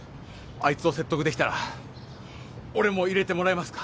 あいつを説得できたら俺も入れてもらえますか？